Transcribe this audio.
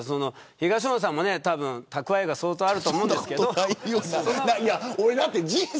東野さんも、たぶん蓄えが相当あると思うんですけど。